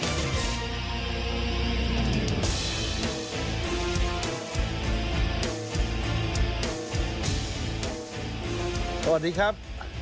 สวัสดีครับ